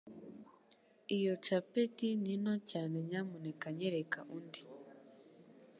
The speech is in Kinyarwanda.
Iyi capeti ni nto cyane Nyamuneka nyereka undi